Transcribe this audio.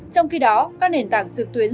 trong khi đó các nền tảng trực tuyến